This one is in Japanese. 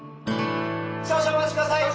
少々お待ち下さい。